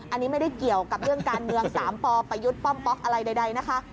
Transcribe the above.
อันนี้ไม่ได้เกี่ยวกับเรื่องการเมือง๓ปประยุทธ์ป้อมป๊อกอะไรใดนะคะ